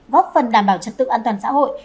góp phần đảm bảo trật tự an toàn xã hội